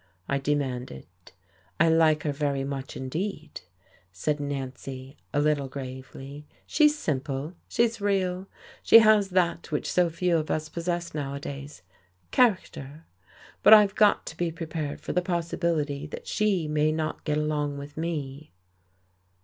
I demanded. "I like her very much indeed," said Nancy, a little gravely. "She's simple, she's real, she has that which so few of us possess nowadays character. But I've got to be prepared for the possibility that she may not get along with me."